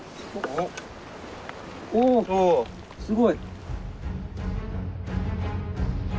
おおすごい。